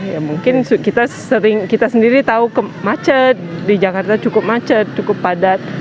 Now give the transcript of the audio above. ya mungkin kita sering kita sendiri tahu macet di jakarta cukup macet cukup padat